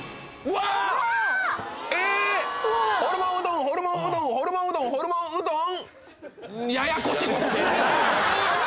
わっホルモンうどんホルモンうどんホルモンうどんホルモンうどん